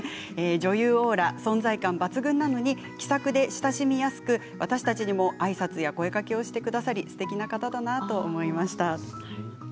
女優オーラ、存在感抜群なのに気さくで親しみやすく私たちにもあいさつで声かけをしてくださりすてきな方だなと思いました。